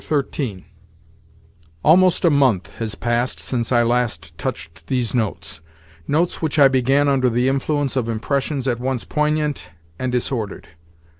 XIII Almost a month has passed since I last touched these notes—notes which I began under the influence of impressions at once poignant and disordered.